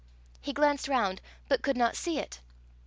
He glanced round, but could not see it.